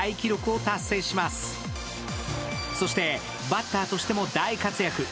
バッターとしても大活躍。